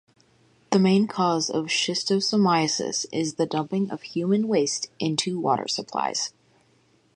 The main cause of schistomiasis is the dumping of human waste into water supplies.